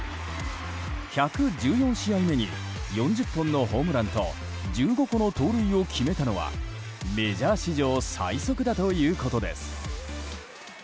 １１４試合目に４０本のホームランと１５個の盗塁を決めたのはメジャー史上最速だということです。